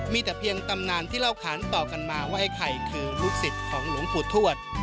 มีแต่เพียงตำนานที่เล่าขานต่อกันมาว่าไอ้ไข่คือลูกศิษย์ของหลวงปู่ทวด